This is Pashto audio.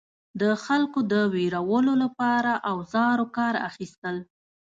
د خلکو د ویرولو لپاره اوزارو کار اخیستل.